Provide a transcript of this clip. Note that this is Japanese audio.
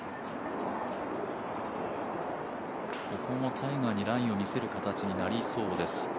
ここもタイガーにラインを見せる形になりそうです。